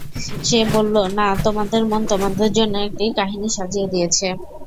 সে বলল, না, তোমাদের মন তোমাদের জন্যে একটি কাহিনী সাজিয়ে দিয়েছে।